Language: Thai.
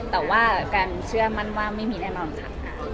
แต่ว่าการเชื่อมั่นว่าไม่มีแน่นอนค่ะ